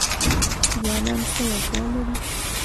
ځوانان څه وړتیا لري؟